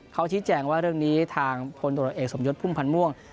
เขาชี้แจงว่าเรื่องนี้ทางพลตรวจเอกสมยศพุ่มพันธ์ม่วง